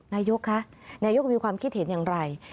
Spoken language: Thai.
นายกคะนายกมีความคิดเห็นอย่างไร